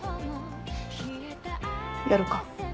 やるか。